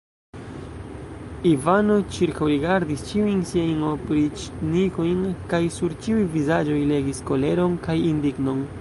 Ivano ĉirkaŭrigardis ĉiujn siajn opriĉnikojn kaj sur ĉiuj vizaĝoj legis koleron kaj indignon.